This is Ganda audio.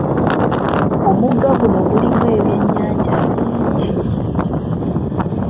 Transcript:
Omugga guno gulimu ebyennyanja bingi.